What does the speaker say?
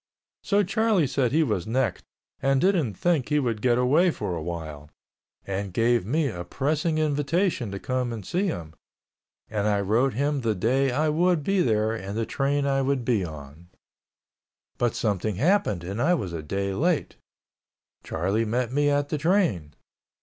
So Charlie said he was necked and didn't think he would get away for awhile, and gave me a pressing invitation to come and see him, and I wrote him the day I would be there and the train I would be on. But something happened and I was a day late. Charlie met me at the train.